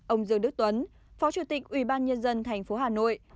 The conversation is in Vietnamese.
ông dương đức tuấn phó chủ tịch ubnd tp hà nội